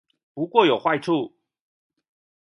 不過有壞處